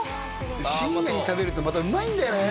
深夜に食べるとまたうまいんだよね